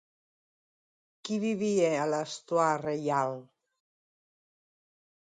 Qui vivia a la Stoà Reial?